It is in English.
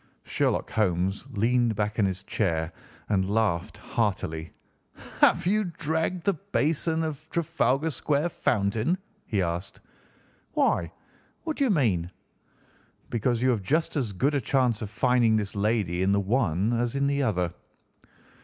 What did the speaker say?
Sherlock Holmes leaned back in his chair and laughed heartily. "Have you dragged the basin of Trafalgar Square fountain?" he asked. "Why? What do you mean?" "Because you have just as good a chance of finding this lady in the one as in the other."